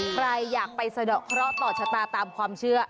ใครอยากไปสะดอกเคราะห์ต่อชะตาตามความเชื่อ